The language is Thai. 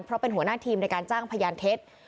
เพราะเป็นหัวหน้าทีมในการจ้างพยานเท็จ